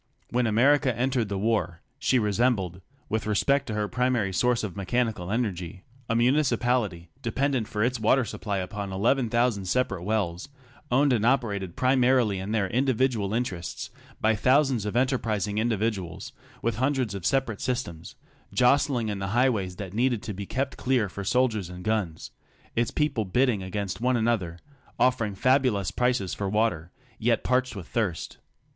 ... When America entered the war, she resembled, with respect to her primary source of mechanical energy, a municipality dependent for its water supply upon 11,000 separate wells, owned and operated primarily in their individual interests by thou sands of enterprising individuals, with hundreds of separate systems jostling in the highways that needed to be kept clear for soldiers and guns ; its people bidding against one another, offering fabulous prices for water, yet parched with thirst.